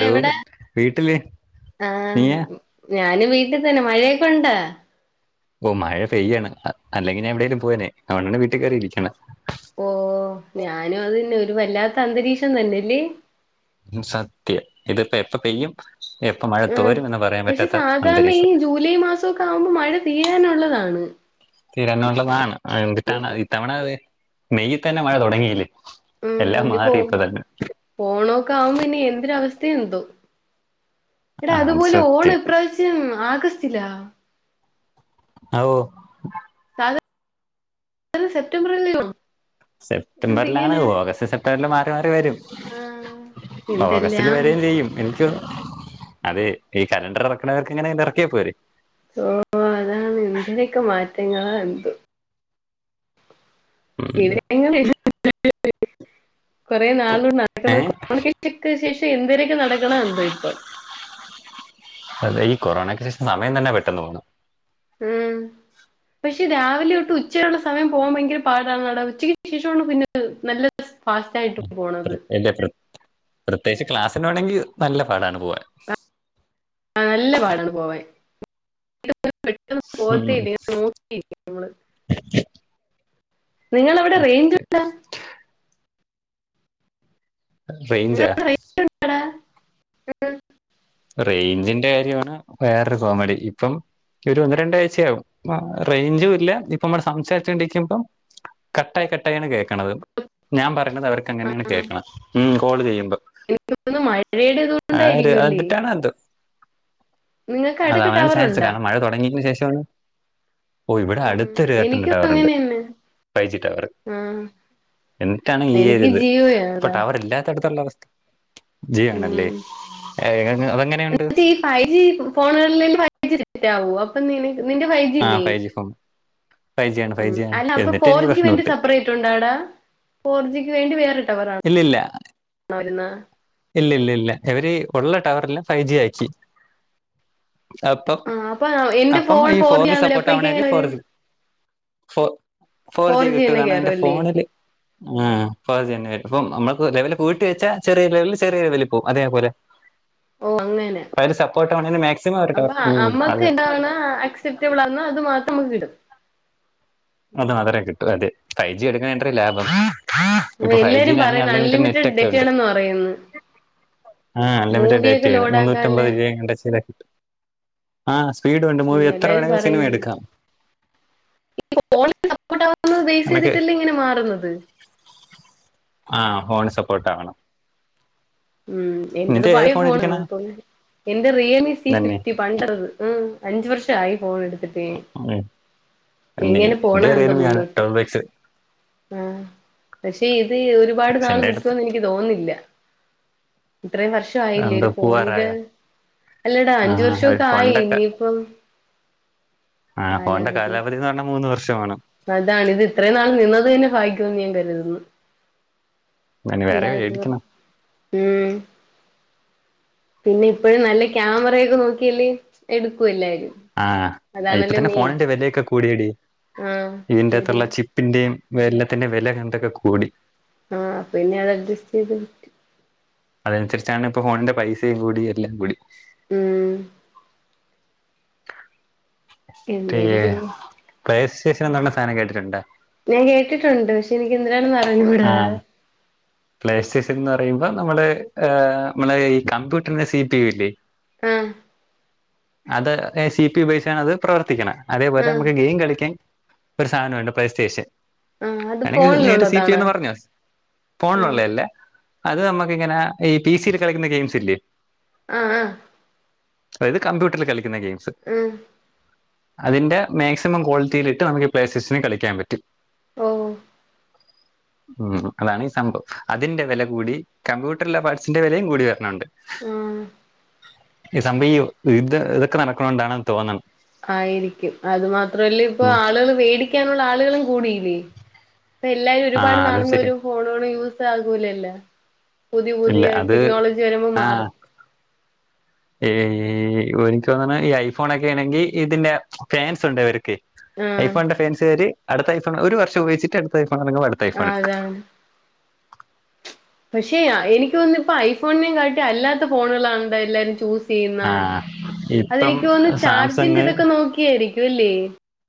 Hello എവിടെ വീട്ടില് ആഹ നീയാ ഞൻ വീട്ടിൽ തന്നെ മഴയൊക്കെ ഉണ്ടോ? ഓ മഴ പെയ്യാണ് അല്ലെങ്കിൽ ഞാൻ എവിടെേങ്കിലും പോനെ അവന്നെ വീട്ടിൽ കയറിയിരിക്കാണ്. ഓ ഞാനും അത്ന്നെ ഒരു വല്ലാത്ത അന്തരീക്ഷം തന്നെല്ലേ. സത്യം ഇതിപ്പോ എപ്പ പെയ്യും, എപ്പ മഴ തോരും, എന്ന് പറയാൻ പറ്റാത്ത അന്തരീക്ഷം. ജുലൈ മാസമൊക്കെ ആകുമ്പോ മഴ തീരാനുള്ളതാണ്. തിരന്നോള്ളതാണ് എനിട്ടാണ് ഇത്തവണത് മെയ്യിൽ തന്നെ മഴ തുടങ്ങിയില്ലേ. ആ എല്ലാം ഇനി പോ മാറി ഇപ്പ തന്നെ ഓണമക്കെ ആകുമ്പോ ഇനി എന്തൊരു അവസ്ഥയും എന്തോ. ഇടാ ആ അത് അതുപോലെ ഓണം സത്യം ഇപ്രാവശ്യം. [unintelligible] ആഗസ്റ്റ്ല ആഓ അ സെപ്റ്റംബറിൽ എലയോ സെപ്റ്റംബറിലാണ്. ഓഗസ്റ്റ് സെപ്റ്റംബറിൽ മാറി മാറി വരും. ആഹ് ഓഗസ്റ്റില് എന്തെല്ലാം വരയും ചെയ്യും. എനിക്ക് അത് ഈ കലണ്ടർ ഇറക്കണവർക്ക്ങ്ങനെ ഇറക്കിയാ പോരെ. ഓ അതാണ് എന്തിനൊക്കെ മാറ്റങ്ങളാ എന്ത്തു. ഉം [unintelligible] കുറെേ നാള് ഏ നടക്കണ കോമ്യൂണിക്കേഷ ശേഷം എന്തിനൊക്കെ നടക്കണ എന്തോ ഇപ്പം. അതെ ഈ കൊറോണക്ക് ശേഷം സമയം തന്നെ പെട്ടെന്ന് പോണ്. ഉം പക്ഷെ രാവിലെ തൊട് ഉച്ചയുള്ള സമയം പോകാൻ ഭയങ്കര പാടാണ്. നട ഉച്ചയ്ക്ക് ശേഷമാണ് പിന്നെ നല്ല ഫാസ്റ്റ് ആയിട്ട് പോണത്. [unintelligible] പ്രത്യേകിച്ച് ക്ലാസ്സിന് വേമെങ്കിൽ നല്ല പാടാണ് പോവാൻ. ആ നല്ല പാടാണ് പോവൻ പോത്തില്ല ന നിങ്ങവിടെ റേഞ്ച് ഉടോ ഉടാ റേഞ്ചാ ഉം [unintelligible] റേഞ്ചിന്റെ കാര്യമാണ് വേറൊരു കോമഡി ഇപ്പം. ഒരു ഒന്ന് രണ്ടാഴ്ചയാകും റേഞ്ചും ഇല്ല. ഇപ്പ നമ്മടെ സംസാരിച്ചോണ്ടിരിക്കുമ്പം. കട്ടായി കട്ടായിയാണ് കേൾക്ക്ണത് ഞാൻ പറഞ്ഞത് അവർക്ക് എങ്ങനെയാണ് കേൾക്കുന്നത്. ഉ കോള് ചെയ്യുമ്പോ. എനിക്ക് ആര് അതിട്ടാണ് അതു. നിങ്ങൾക്ക് അത് അടുത്തൊക്കെ അവനാണ് ടവർ ചാൻസ് ഉണ്ടാ വോണം മഴ തുടങ്ങിയയിന് ശേഷമാണ്. ഓ ഇവിടെ അടുത്തൊരു ഏട്ടന്റെ എനിക്കും ടവർ ഉണ്ട് ഫൈവ് ജി ടവർ ആഹ എന്നിട്ടാണ് ഈ യരുത് ടവർ അവർല്ലാത്ത അടുത്തുള്ള അവസ്ഥ ജീയോണ്ല്ലേ. ഉം. ഏ അതെങ്ങനെയുണ്ട്. പക്ഷേ ഈ ഫൈവ് ജി ഫോണുകള ഫ [unintelligible] ആഹ ഫൈജി ഫോ ഉം അല്ല അപ്പൊ ഫോർ ജി പ്രശ്നമുണ്ട് സെപ്പറേറ്റ് ഉണ്ട അടാ ഫോർജിക്ക് വേണ്ടി വേറെടവർണ്. ഇല്ല ഇല്ല വരുന്ന ഇല്ല ഇല്ല ഇല്ല ഇവര് ഉള്ള ടവർള് ഫൈ ജി അയച്. അപ്പം ആ അപ്പൊ എന്റെ അപ്പം ഫോൺ ഈ ഫോർ ജി ആണല്ലോ സപ്പോർട്ട് അപ്പൊ എനിക്ക് ആവണെല് എങ്ങനെ ഫോർ. വരും ഫോ ഫോർ ജി കിട്ടുകാണ് എന്റെ ഫോണില് [unintelligible] ഇപ്പം നമ്മക്ക് ലെവൽ പോയിട് വെച്ചാ ചെറിയ ലെവലിൽ ചെറിയരു വലിപ്പോവും അതേപോലെ. ഓ അങ്ങനെ അപ്പ അതില് സപ്പോർട്ട് വേണേല് മാക്സിമം അവര്ട്ട ഉം അതെ സക്റ്റെബിൾ അന്നാ അത് മാത്രം നമക്കിടും അത് മാത്തറേ കിട്ടൂ അതെ ഫൈവ് ജി എടുക്കണ [unintelligible] ലാഭാ അപ്പൊ ഇപ്പൊ ഫൈവ് എല്ലാരും ജിയിലാണെങ്കി പറയുന്നു അൺലിമിറ്റ് നെറ്റ് അൺലിമിറ്റഡ് ഒക്കെ ഉണ്ട്. ഡേറ്റയാണെന്ന് പറയുന്നു ആഹ് അലിമിറ്റഡ് ഡേറ്റ മൂവിയൊക്കെ ആണ് ലോഡ് ആക്കാല്ലേ മുന്നൂറ്റമ്പത് രൂപയെങ്ങാണ്ട് ചെയ്താ കിട്ടും. ആഹ് സ്പീഡും ഉണ്ട് ഉം മൂവി എത്ര എല്ലാരും വേണങ്കിലും സിനിമ പറയുന്നുണ്ട് എടുക്കാം. ഫോണിൽ സപ്പോർട്ട് ആകുന്നത് ബേസ് നമുക്ക് ചെയ്തിട്ടല്ലേ ഇങ്ങനെ മാറുന്നത്. ആഹ് ഫോണി സപ്പോർട്ട് ആവണം. ഉം എന്റത് നിന്റെ ഏത് പഴയ ഫോൺ ഫോണാ ഇരിക്കണ അപ്പം എന്റെ റിയൽമി സി നന്നി ഫിഫ്റ്റി പണ്ടറത് ഉം അഞ്ചു വർഷ ആയി ഫോൺ എടുത്തിട്ടേ. ഉം, നന്നി എങ്ങനെ പോണാ എന്റെ എന്തോ റിയൽമി ആണ് മുന്നോട്ട് ഡബിൾ എക്സ് ആഹ് പക്ഷെ ഇത് ഒരുപാട് പക്ഷെ നാള് എന്റെ അടുത്ത് നിക്കുമന്ന് എനിക്ക് തോന്നില്ല. ഇത്രയും വർഷ ആയില്ലേ എന്താ ഒരു പൂവാറായ ഫോണിന്റെത്. അല്ലടാ ആ അഞ്ച് ഒരു വർഷമൊക്കെ ആയി ഇനിയിപ്പം ആഹ് ഫോൺണ്ടെ കാലാവധി കാലാവധീന്നർഞ്ഞാൽ മൂന്ന് വർഷമാണ്. അതാണ് ഇത് ഇത്രയും നാളും നിന്നത് തന്നെ ഭാഗ്യോന്നു ഞാൻ കരുതുന്നു. നന്നി വേറെ അല്ലാതെന്തു പറയാൻ മേടിക്കണം ഉം പിന്നെ ഇപ്പഴും നല്ല ക്യാമറയൊക്കെ നോക്കിയല്ലേ എടുക്കു എല്ലാരും. ആഹ് ഇപ്പൊ അതാണല്ലോ തന്നെ മെയിൻ ഫോണിന്റെ വിലയൊക്കെ കൂടിയെടി. ആഹ് ഇതിന്റെ അത്തുള്ള ശരിയാ ചി പ്പിന്റെയും വെ എല്ലത്തിന്റെ വെലങ്ങൻത്തൊക്കെ കൂടി. ആഹ് അപ്പ പിന്നെ അത് അഡ്ജസ്റ്റ് ചെയ്ത്. പറ്റും അതൻസരിച്ചാണ് ഇപ്പ ഫോണിന്റെ പൈസയും കൂടി എല്ലാം കൂടി ഊം [unintelligible] എന്തേര് ചെയ്യാൻ സ്റ്റേഷൻ ന്നർണ സാനം കേട്ടിട്ടുണ്ടൊ? ഞാൻ കേട്ടിട്ടുണ്ട് ഷെ നിക്ക് എന്തിരാണെന്ന് അറിഞ്ഞൂടാ. ആ പ്ലേ സ്റ്റേഷൻ എന്ന് പറയുമ്പോ നമ്മള് നമ്മളെ ഈ കമ്പ്യൂട്ടറിനെ സി പി യു ഇല്ലേ? ആഹ് അത് സി പി യു ബെയ്സാണ് അത് പ്രവർത്തിക്ക്ണെ. അതേപോലെ ആഹ് നമുക്ക് ഗെയിം കളിക്കാൻ ഒരു സാനവുണ്ട് പ്ലേസ്റ്റേഷൻ ആഹ് അത് അല്ലെങ്കിൽ നേരെ സി പി യൂ ഫോണിലുള്ളതാണോ ന്ന് പറഞ്ഞോ. ആഹ് ഫോണിലുള്ളേ അല്ല. അത് നമ്മുക്കിങ്ങനെ ഈ പി സി ലൊക്കെ കളിക്കുന്ന ഗെയിംസ് ഇല്ലേ. ആഹ് ആഹ് അതില് കമ്പ്യൂട്ടറിൽ കളിക്കുന്ന ഗെയിംസ്. ഉം അതിന്റെ മാക്സിമം ക്വാളിറ്റിയിലിട്ട് നമുക്ക് പ്ലേ സ്റ്റേഷനിൽ കളിക്കാൻ പറ്റും. ഓഹ് ഉം അതാണി സംഭവം. അതിന്റെ വില കൂടി കമ്പ്യൂട്ടർള്ള പാർട്സിന്റെ വിലയും കൂടി വരണുണ്ട്. ഉം ഈ സംഭവം ഈ യുദ്ധ ഇതൊക്കെ നടക്ക്ണ്ടോണ്ടാണെന്ന് തോന്ന്ണ്. ആയിരിക്കും. അത് മാത്രല്ലേ ഇപ്പൊ ഉം. ആളുകൾ വേടിക്കാനുള്ള ആളുകളും കൂടിയില്ലേ. ഇപ്പ എല്ലാരും ആ ഒരുപാട് അത് നാളൊന്നും ശരി ഒരു ഫോണോണ് യൂസ് ആകൂലല്ല. പുതിയ ഇല്ല പുതിയ അത് ടിക്നോളജി വരുമ്പം ആ മാറും. ഈ എനിക്ക് തോന്ന്ണ് ഈ ഐഫോണൊക്കെ ഏണെങ്കി ഇതിന്റെ ഫാൻസ് ഉണ്ടവർക്കെ. ആഹ് ഐഫോൺന്റെ ഫാൻസുകാര് അടുത്ത ഐ ഫോൺ ഒരു വർഷ ഉപയോഗിച്ചിട്ട് അടുത്ത ഐഫോൺ ഇറങ്ങും. അ ആഹ് അതെ ആണ്. പക്ഷെ അഹ് എനിക്കോന്ന്ണ് ഇപ്പോ ഐഫോണിനേം കാട്ടി അല്ലാത്ത ഫോണുകളാന്ത എല്ലാരും ചൂസ് ചെയ്യുന്നാ. ആ ഇപ്പം അതെനിക്ക് തോന്ന് ന്ന് ചാർജിന്റെ സാംസങ് ഇതൊക്കെ നോക്കിയായിരിക്കു അല്ലേ?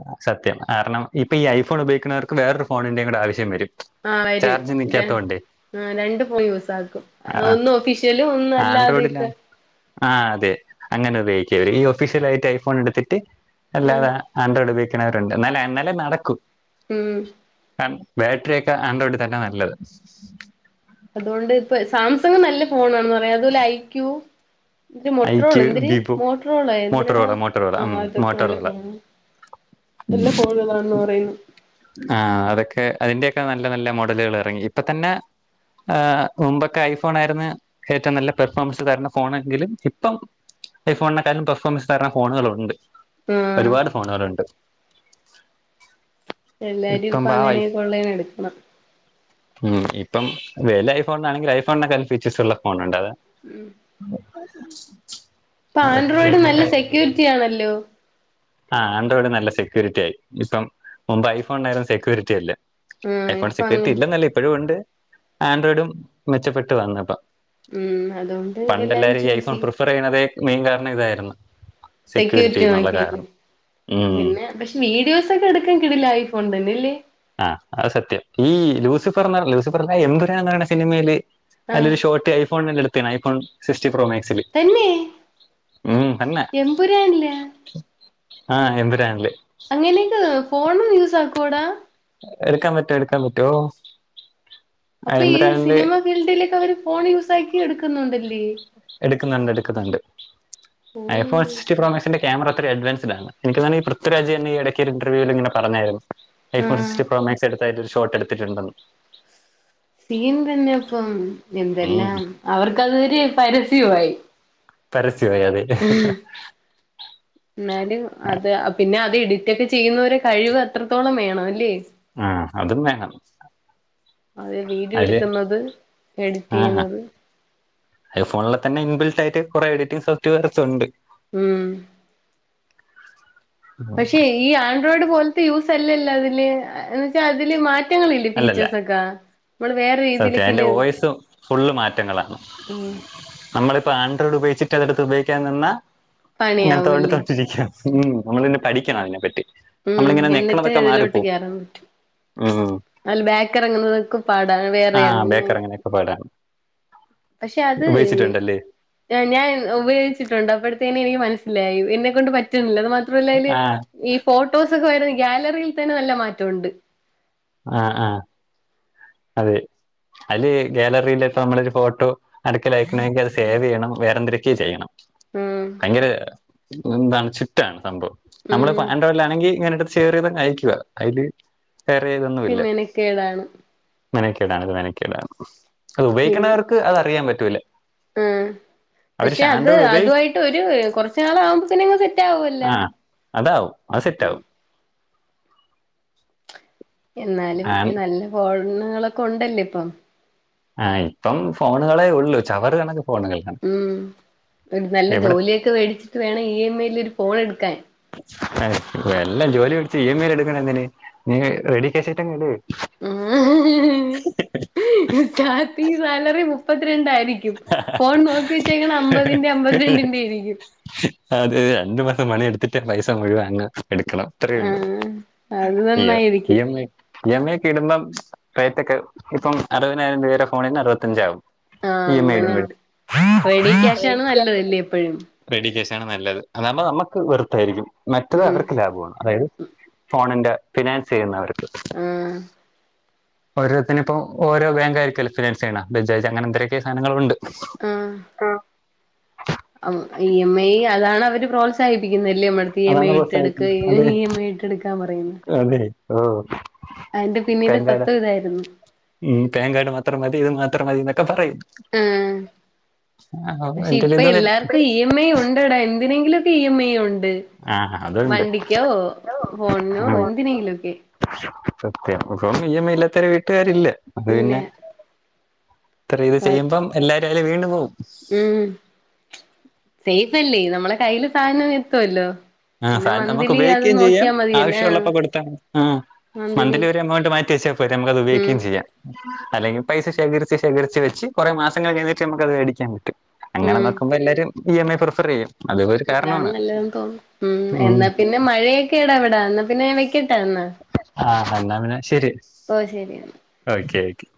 അഹ് സത്യം കാരണം ഇപ്പൊ ഈ ഐ ഫോൺ ഉപയോഗിക്ക്ണവർക്കും വേറൊരു ഫോണിന്റെയും കൂടെ ആവശ്യം വരും. ആഹ് വരും ചാർജ് തെ നിൽക്കാത്തതുകൊണ്ട് ആഹ് രണ്ടു ഫോൺ യൂസാക്കും. ഒന്ന് ഒഫീഷ്യലും ഒന്ന് അല്ലാത്യൊക്കെ ആഹ് അതെ അങ്ങനെ ഉപയോഗിക്കാടി ഈ ഒഫീഷ്യൽ ആയിട്ട് ഐഫോൺ എടുത്തിട്ട് ഉം അല്ലാതാ ആൻഡ്രോയിഡ് ഉപയോഗിക്കുന്നവരുണ്ട് നല്ല എന്നലെ നടക്കും ഉം ബാറ്ററിയൊക്കെ ആൻഡ്രോയിഡ് തന്നെ നല്ലത് അതുകൊണ്ട് ഇപ്പ സാംസങ് നല്ല ഫോണാണെന്ന് പറയാ അതുപോലെ ഐക്യൂ എന്തിരി മോട്ട്രോള് ഐക്യു എന്തിരി വിവോ മോട്ട്രോള എന്തിടാ മോട്ടറോള മോട്ടറോള ആഹ് അതൊക്കെ നല്ല മോട്ടറോള ഫോണ എല്ല പോകതാണെന്ന് പറയുന്നു ആ അതൊക്കെ അതിന്റെയൊക്കെ നല്ല നല്ല മോഡലുകൾ ഇറങ്ങി ഇപ്പൊ തന്നെ ആ മുമ്പൊക്കെ ഐഫോൺ ആയിരുന്നു ഏറ്റവും നല്ല പെർഫോമൻസ് തരണ ഫോണെങ്കിലും ഇപ്പം ഐഫോണിനക്കാളും പെർഫോമൻസ് തരണ ഫോണുകളുണ്ട് ആഹ് ഒരുപാട് ഫോണുകളുണ്ട് എല്ലാരും ഇപ്പം ഇപ്പൊ ആ ഐ അങ്ങനെ കൊള്ളേ എടുക്കണം ഉം ഇപ്പം വില ഐഫോണാണെങ്കിൽ ഐ ഫോണിനെക്കാൾ ഫീച്ചേഴസ് ഉള്ള ഫോണുണ്ട് അത ഉം [inaudible] ഇപ്പൊ ആൻഡ്രോയിഡ് അതൊക്കെയാണ് നല്ല കാര്യം സെക്യൂരിറ്റി ആണല്ലോ ആഹ് ആഡ്രോയിഡ് നല്ല സെക്യൂരിറ്റി ആയി ഇപ്പം മുമ്പ് ഐഫോണിരം സെക്യൂരിറ്റില്ല ആഹ് ഐഫോൺ ഇപ്പൊ സെക്യൂരിറ്റി അങ്ങനെ ഇല്ലെന്നല്ലേ ഇപ്പോഴും ഉണ്ട് ആൻഡ്രോയിഡും മെച്ചപ്പെട്ട് വന്ന്പ്പ ഉം അതുകൊണ്ട് എല്ലാരും ചൂസ് ചെയ്യും [unintelligible] മെയിൻ കാരണം ഇതായിരുന്നു സെക്യൂരിറ്റി എന്നുള്ള കാരണം [unintelligible] ഉം പിന്നെ പക്ഷെ വീഡിയോസ് ഒക്കെ എടുക്കാൻ കിടിലം ഐഫോണ തന്നെല്ലേ ആഹ് അത് സത്യം ഈ ലൂസിഫർന്ന് ലൂസിഫർല്ല എംമ്പുരാന്ന് പറയുന്ന സിനിമയില് ആഹ് അയിലൊരു ഷോർട്ട് ഐഫോണില് എടുത്തിന് ഐഫോൺ സിക്സ്റ്റി പ്രോ മാക്സില് തന്നെ ഉം തന്നെ എമ്പുരാനില്ല ആഹ എമ്പുരാനില് അങ്ങനെയൊക്കെ ഫോണും യൂസ് ആക്കോ ടാ എടുക്കാൻ പറ്റും എടുക്കാൻ പറ്റും ഓ അപ്പൊ ഈ സിനിമ ഫീൽഡിലൊക്കെ അവര് ഫോൺ യൂസാക്കി എടുക്കുന്നുണ്ടല്ലേ എടുക്കുന്നുണ്ട് എടുക്കുന്നുണ്ട് ഓ ഐ ഫോൺ സിക്സ്റ്റി പ്രോ മാക്സിന്റെ ക്യാമറ അത്രയും അഡ്വാൻസ്ഡ് ആണ് എനിക്ക് തോന്ന്ണെ ഈ പൃഥ്വിരാജ് തന്നെ ഈ ഇടക്ക് ഒരു ഇന്റർവ്യൂവിൽ ഇങ്ങനെ പറഞ്ഞായിരുന്നു ഐ ഫോൺ ആഹ് സിക്സ്റ്റി പ്രോമാക്സ് എടുത്തതായിട്ട് ഒരു ഷോർട്ട് എടുത്തിട്ടുണ്ടോ സീൻ തന്നെ അപ്പം എന്തെല്ലാം ഉം അവർക്ക് അതൊരു പരസ്യമായി പരസ്യമായി അതെ [inaudible] എന്നാലും അത് പിന്നെ അത് എഡിറ്റ് ഒക്കെ ചെയ്യുന്നവരെ കഴിവ് അത്രത്തോളം വേണം അല്ലേ ആഹ അതും വേണം അത് വീഡിയോ അതില് എടുക്കുന്നത് എഡിറ്റ് ചെയ്യുന്നത് ഐഫോണിൽ തന്നെ ഇൻബിൽട്ടായിട്ട് കുറേ എഡിറ്റിംഗ് സോഫ്‌റ്റ്‌ വെയർസ് ഉണ്ട് ഉം പക്ഷെ ഈ ആൻഡ്രോയിഡ് പോലത്തെ യൂസ് അല്ലല്ലോ അതില് എന്ന് വെച്ചാൽ അതില് മാ റ്റങ്ങളില്ലേ ഫീച്ചേഴ്സ് ഒക്കെ നമ്മൾ വേറെ സത്യ അതിൻ്റെ വോയ്സ് ഫുള്ള് മാറ്റങ്ങളാണ് ഉം നമ്മളിപ്പോൾ ആൻഡ്രോയിഡ് ഉപയോഗിച്ചിട്ട് അത് എടുത്ത് ഉപയോഗിക്കാൻ നിന്നാ അങ്ങനെ [unintelligible] പണിയാവൂല്ലേ തൊട്ടിരിക്കും ഉം നമ്മളിന്നെ പഠിക്കണം അതിനെപ്പറ്റി ഉം നമ്മളിങ്ങനെ എന്നിട്ട് നെക്കണതൊക്കെ ഇതിലോട്ട് മാറിപ്പോവും കേറാൻ പറ്റും [unintelligible] ബാക്ക് എറങ്ങുന്നതൊക്കെ പാടാണ് വെ ആഹ ബേക്കെറങ്ങാനൊക്കെ പാടാണ് പക്ഷെ അത് ഉപയോഗിച്ചിട്ടുണ്ടല്ലേ ഞാൻ ഉപയോഗിച്ചിട്ടുണ്ട് അപ്പോഴത്തേക്ക് എനിക്ക് മനസ്സിലായി എന്നെക്കൊണ്ട് പറ്റുന്നില്ല അത് മാത്രല്ല അയില് ആ ഈ ഫോട്ടോസൊക്കെ വരുന്ന ഗ്യാലറിയിൽ തന്നെ നല്ല മാറ്റം ഉണ്ട് ആഹ് ആഹ് അതെ അല് ഗാലറിൽ ഇപ്പോ നമ്മളൊരു ഫോട്ടോ അടക്ക അയക്കണമെങ്കിൽ അത് സേവ് ചെയ്യണം വേറെ എന്തരൊക്കെ ചെയ്യണം ഉം ഭയങ്കര എന്താണ് ചുറ്റാണ് സംഭവം നമ്മള് ഉം ഇപ്പൊ ആൻഡ്രോയിഡിലാണെങ്കിൽ ഇങ്ങനെടുത്ത് ഷെയറെയ്തങ്ങ് അയക്കുക അയില് [unintelligible] പിന്നെ ഇല്ല മെനക്കേടാണ് മെനക്കേടാണ് മെനക്കേടാണ് അത് ഉപയോഗിക്കണാ പിൻ ക്ക് അറിയാൻ പറ്റൂല്ല ഉം പക്ഷെ അത് ഉപയോഗി അതുായിട്ട് ഒരു കുറച്ചു നാൾ ആകുമ്പോ പിന്നെങ് സെറ്റ് ആവുല്ലോ ആ അതാവും ആ സെറ്റ ആവും എന്നാലും ആൻ- നല്ല ഫോണുകളോകെ ഉണ്ടല്ലേ ഇപ്പം ആ ഇപ്പം ഫോണുകളേ ഉള്ളൂ ചവറ് കണക്ക് ഫോണുകൾ ഉം ഒരു നല്ല ജോലിയൊക്കെ മേടിച്ചിട്ട് വേണം ഇ എം ഏ യിൽ ഒരു ഫോൺ എടുക്കാൻ വല്ലാം ജോലി വേടിച്ച് ഇ എം ഐൽ എടുക്കണ എന്തിന് [unintelligible] റെഡി ക്യാഷ്യാട്ട് അങ്ങേഡ് ഉം സ്റ്റാർട്ടിങ്ങ്‌ സാലറി മുപ്പത്തിരണ്ടായി ഫോൺ നോക്കി വെച്ച അമ്പതിന്റെ അമ്പത്രണ്ടിന്റെ യിരിക്കും അത് രണ്ടു മാസം മണി എടുത്തിട്ട് പൈസ മുഴവാൻ അങ്ങ് എടുക്കണം അത്രയ ഉള്ളൂ ആഹ് [unintelligible] അത് ഇ നന്നായിരിക്കും എം ഐ ഇ എം ഐക്ക് ഇടുമ്പം റേറ്റ് ഒക്കെ ഇപ്പം അറുപതിനായിരം രൂപയുടെ ഫോണിന് അറുപത്തഞ്ചാകും ആഹ് ഇ എം ഐ ഇടുപ്പഴ് അങ്ങനെണ്ട് റെഡി ക്യാഷ് ആണ് നല്ലതല്ലേ എപ്പോഴും റെഡി ക്യാഷാണ് നല്ലത് അതാവുമ്പോ നമുക്ക് വെർത്തായിരിക്കും മറ്റത് ഉം അവർക്ക് ലാഭമാണ് അതായത് ഫോണിന്റെ ഫിനാൻസ് ചെയ്യുന്നവർക്ക് ആഹ് ഓരോരുത്തി ഇപ്പപ്പോ ഓരോ ബാങ്ക് ആരിക്കും ഫിനൻസ് ചെയ്യണ ബജാജ് അങ്ങനെ എന്തൊരോക്കെയോ സാധനങ്ങളുണ്ട് ആഹ് അം ഇ എം ഐ അതാണ് അവര് പ്രോ പ്രോത്സാഹപ്പിക്കുന്നല്ലേ നമ്മടടു എം എ അതാണ് ഇട്ടെടുക്ക് പ്രോത്സാഹിക്കുന്നത് അതെ ഇ എം ഐ ഇട്ടെടുക്കാൻ പറയുന്നത് അതെ ആഹ് അതിന്റെ പിന്നില് സത്വം ഇതായിരുന്നു ഉം [unintelligible] മാത്രം മതി ഇത് മാത്രം മതി എന്നൊക്കെ പറയും ആഹ പക്ഷെ എന്റെ ഇപ്പൊ ഇത് എല്ലാർക്കും വരും ഇ എം ഐ ഉണ്ട്ടെടാ എന്തിനെങ്കിലും ഒക്ക ഇ എം ഐ ഉണ്ട് ആ അതുണ്ട് വണ്ടിക്കോ ഹോണിനോ ഉം, എന്തിനെലൊക്കെ സത്യം ഇപ്പൊ ഇയമ്മ ഇല്ലാത്തരെ വീട്ടുകാരില്ല അത് ഇല്ല പിന്നെ ഇത്ര ഇത് ചെയ്യുമ്പം എല്ലാരും അയില് വീണു പോവും ഉം സേഫ്ല്ലേ നമ്മളെ കയ്ൽ സാധനം എത്തുവല്ലോ ആ ഫ പിന്നെ നമുക്ക് മന്ത്ലി അത് ഉപയോഗിക്കുകയും ചെയ്യാം നോക്കിയാ മതിയല്ലേ ആഹ് ആവശ്യമുള്ളപ്പോ കൊടുത്താ ആഹ് മന്ത്ലി ഒരു എമൗണ്ട് മാറ്റിവെച്ചാപോരെ നമുക്കത് ഉം ഉപയോഗികയും ചെയ്യാം അല്ലെങ്കിൽ പൈസ ശേഖരിച്ച് ശേഖരിച്ച് വെച്ച് കുറെ മാസങ്ങൾ കഴിഞ്ഞിട്ട് നമുക്ക്ത് മേടിക്കാൻ പറ്റും അങ്ങനെ ഉം നോക്കുമ്പോ എല്ലാരും ഇ എം ഐ പ്രിഫർ ചെയ്യും അതും ഒരു അതാണ് കാരണമാണ് നല്ലതെന്ന് തോന്നുന്നു ഉ ഉം എന്നാ പിന്നെ മഴയൊക്കെ ഇടാ എവിടാ എന്നാ പിന്നെ വെക്കട്ടാ എന്നാ ആഹ് ഹ എന്നാപിന്ന ശരി ഓ ശരി ഓക്കെ ഓക്കെ